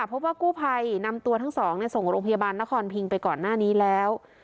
พบว่ากู้ภัยนำตัวทั้งสองส่งโรงพยาบาลนครพิงไปก่อนหน้านี้แล้ว